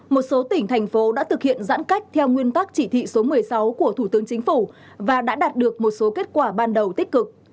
một số tỉnh thành phố đã thực hiện giãn cách theo nguyên tắc chỉ thị số một mươi sáu của thủ tướng chính phủ và đã đạt được một số kết quả ban đầu tích cực